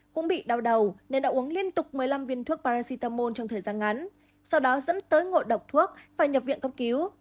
cũng bị đau đầu nên đã uống liên tục một mươi năm viên thuốc parisytamol trong thời gian ngắn sau đó dẫn tới ngộ độc thuốc phải nhập viện cấp cứu